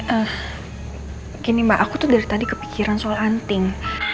eh gini mbak aku tuh dari tadi kepikiran soal anting